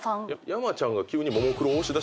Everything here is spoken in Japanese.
山ちゃんが急に。